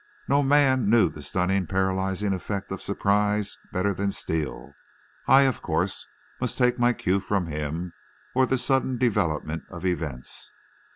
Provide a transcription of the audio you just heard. No man knew the stunning paralyzing effect of surprise better than Steele. I, of course, must take my cue from him, or the sudden development of events.